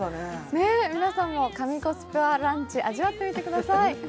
皆さんも神コスパランチ味わってみてください。